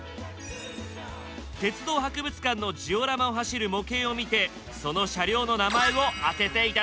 鉄道博物館のジオラマを走る模型を見てその車両の名前を当てて頂きます。